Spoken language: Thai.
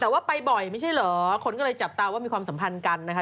แต่ว่าไปบ่อยไม่ใช่เหรอคนก็เลยจับตาว่ามีความสัมพันธ์กันนะคะ